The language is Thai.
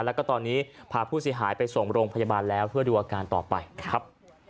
แล้วก็ตอนนี้พาผู้เสียหายไปส่งโรงพยาบาลแล้วเพื่อดูอาการต่อไปครับ